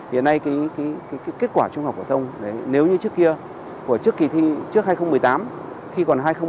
hiện nay cái kết quả trung học phổ thông nếu như trước kia trước kỳ thi trước hai nghìn một mươi tám khi còn hai nghìn một mươi bảy